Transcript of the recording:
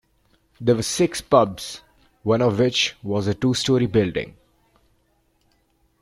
There were six pubs, one of which was a two-storey building.